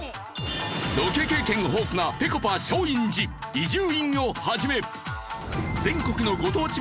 ロケ経験豊富なぺこぱ松陰寺伊集院を始め。